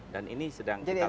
jadi ada semacam kios kios